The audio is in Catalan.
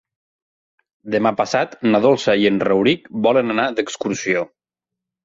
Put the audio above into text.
Demà passat na Dolça i en Rauric volen anar d'excursió.